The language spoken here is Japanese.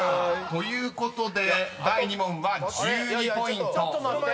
［ということで第２問は１２ポイント］